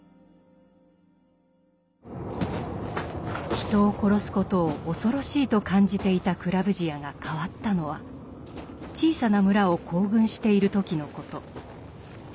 人を殺すことを恐ろしいと感じていたクラヴヂヤが変わったのは小さな村を行軍している時のこと。